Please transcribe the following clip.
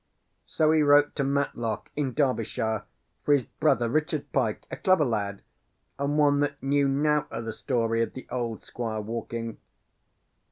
So he wrote to Matlock in Derbyshire, for his brother, Richard Pyke, a clever lad, and one that knew nout o' the story of the old Squire walking.